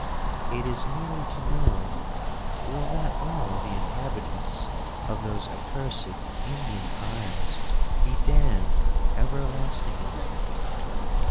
'It is merely to know, will not all the inhabitants of those accursed Indian isles be damned everlastingly?'